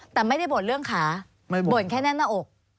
แต่ไม่ได้บ่นเรื่องขาบ่นแค่แน่นหน้าอก